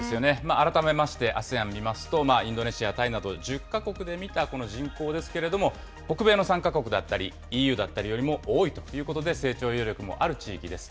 改めましてＡＳＥＡＮ見ますと、インドネシア、タイなど１０か国で見たこの人口ですけれども、北米の３か国だったりＥＵだったりよりも多いということで、成長余力もある地域です。